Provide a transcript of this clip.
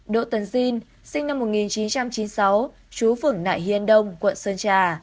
đỗ tấn diên sinh năm một nghìn chín trăm chín mươi sáu chú phưởng nại hiên đông quận sơn trà